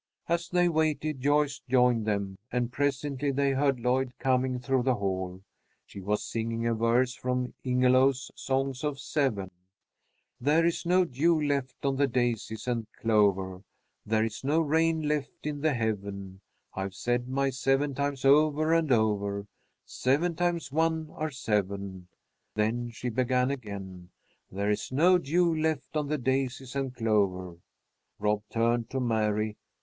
As they waited, Joyce joined them, and presently they heard Lloyd coming through the hall. She was singing a verse from Ingelow's "Songs of Seven:" "'There is no dew left on the daisies and clover. There is no rain left in the heaven. I've said my seven times over and over Seven times one are seven.'" Then she began again, "'There is no dew left on the daisies and clover '" Rob turned to Mary.